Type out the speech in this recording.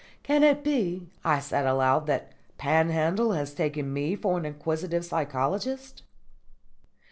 "Can it be," I said aloud, "that Panhandle has taken me for an inquisitive psychologist?"